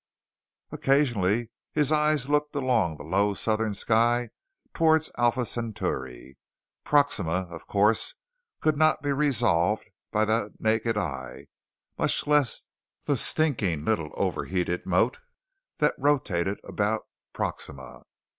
Occasionally his eyes looked along the low southern sky towards Alpha Centauri. Proxima, of course, could not be resolved by the naked eye, much less the stinking little overheated mote that rotated about Proxima.